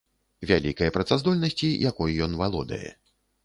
Вялікай працаздольнасці, якой ён валодае.